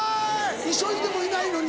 急いでもいないのに。